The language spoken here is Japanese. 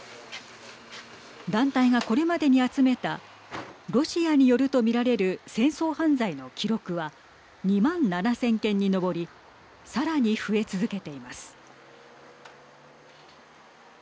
団体がこれまでに集めたロシアによると見られる戦争犯罪の記録は２万７０００件に上りさらに増え続けています。